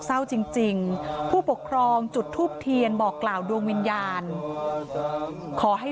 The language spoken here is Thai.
เศร้าจริงผู้ปกครองจุดทูปเทียนบอกกล่าวดวงวิญญาณขอให้